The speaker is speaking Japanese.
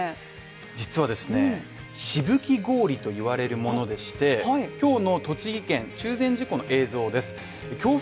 実はですね、しぶき氷と言われるものでして、今日の栃木県中禅寺湖の映像です